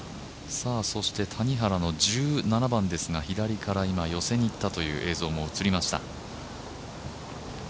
谷原の１７番ですが左から寄せにいったという映像も映りました。